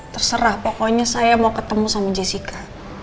terserah pokoknya saya mau ketemu sama jessica